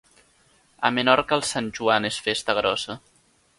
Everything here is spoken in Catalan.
A Menorca el Sant Joan és festa grossa.